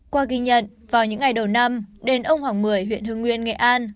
qua ghi nhận vào những ngày đầu năm đền ông hoàng mười huyện hưng nguyên nghệ an